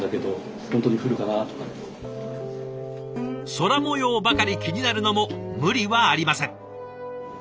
空もようばかり気になるのも無理はありません。